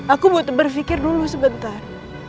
aku berpikir dulu sebentar